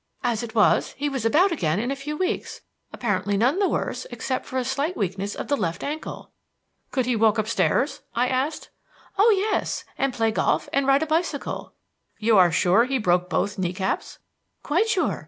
As it was, he was about again in a few weeks, apparently none the worse excepting for a slight weakness of the left ankle." "Could he walk upstairs?" I asked. "Oh, yes; and play golf and ride a bicycle." "You are sure he broke both knee caps?" "Quite sure.